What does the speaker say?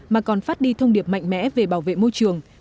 mà còn phát đi thông điệp mạnh mẽ về bảo vệ môi trường